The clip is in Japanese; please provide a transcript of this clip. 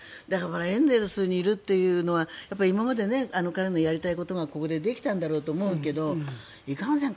エンゼルスにいるっていうのは今までからのやりたいことがここでできたんだろうと思うけどいかんせん